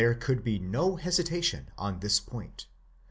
There could be no hesitation on this point.